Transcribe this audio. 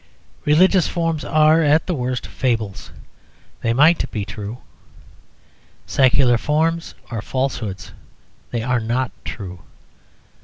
Religious forms are, at the worst, fables; they might be true. Secular forms are falsehoods; they are not true.